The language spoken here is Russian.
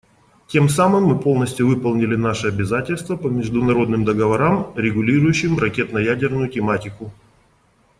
Тем самым мы полностью выполнили наши обязательства по международным договорам, регулирующим ракетно-ядерную тематику.